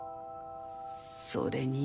それに。